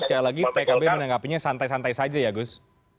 sekali lagi tkb menangkapinya santai santai saja ya gus